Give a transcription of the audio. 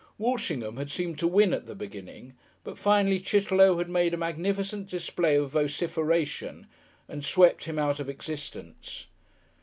Walshingham had seemed to win at the beginning, but finally Chitterlow had made a magnificent display of vociferation and swept him out of existence.